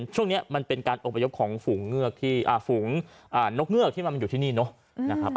ช่วงนี้มันเป็นการอพยพของฝูงเงือกฝูงนกเงือกที่มันอยู่ที่นี่นะครับ